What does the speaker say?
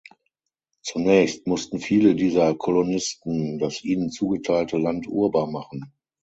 Zunächst mussten viele dieser Kolonisten das ihnen zugeteilte Land urbar machen.